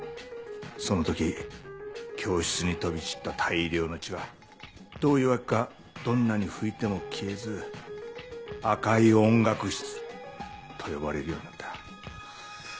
その時教室に飛び散った大量の血はどういうわけかどんなに拭いても消えず「赤い音楽室」と呼ばれるようになった。